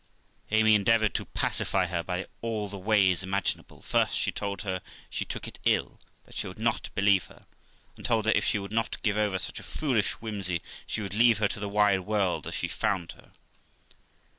Amy endeavoured to pacify her by all the ways imaginable: first, she told her she took it ill, that she would not believe her ; and told her, if she would not give over such a foolish whimsey, she would leave her to the wide world as she found her.